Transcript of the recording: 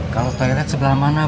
kalau toilet sebelah mana